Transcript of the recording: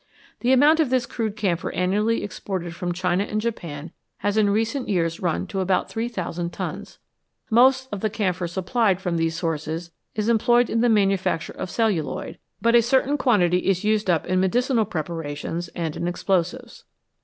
The amount of this crude camphor annually exported from China and Japan has in recent years run to about 3000 tons. Most of the camphor supplied from these sources is employed in the manufacture of celluloid, but a certain quantity is used up in medicinal preparations and in explosives.